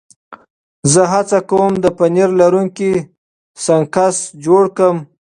زه هڅه کوم د پنیر لرونکي سنکس جوړ کړم.